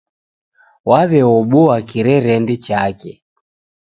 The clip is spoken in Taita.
Waweobua kirerendi chake